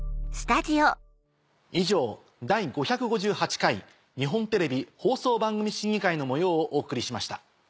以上「第５５８回日本テレビ放送番組審議会」の模様をお送りしました。